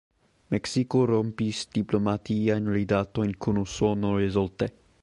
Meksiko rompis diplomatiajn rilatojn kun Usono rezulte.